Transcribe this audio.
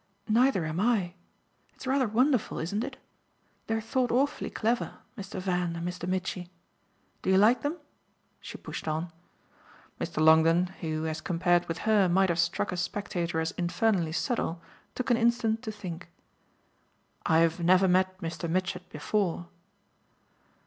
Neither am I. It's rather wonderful, isn't it? They're thought awfully clever, Mr. Van and Mr. Mitchy. Do you like them?" she pushed on. Mr. Longdon, who, as compared with her, might have struck a spectator as infernally subtle, took an instant to think. "I've never met Mr. Mitchett before."